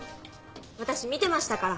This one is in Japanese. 私見てましたから。